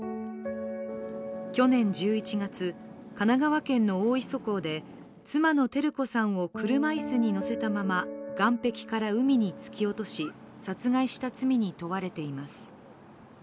去年１１月、神奈川県の大磯港で妻の照子さんを車椅子に乗せたまま岸壁から海に突き落とし殺害した罪に問われています。